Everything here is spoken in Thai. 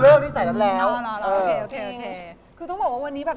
ชอบที่ห่อนก็ร้องเพลงพอ